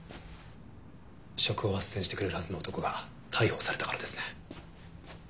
職を斡旋してくれるはずの男が逮捕されたからですね。